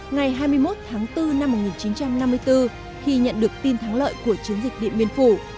ngày hai mươi một tháng bốn năm một nghìn chín trăm năm mươi bốn khi nhận được tin thắng lợi của chiến dịch điện biên phủ